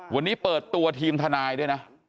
วันนี้เปิดตัวทีมทนายด้วยนะ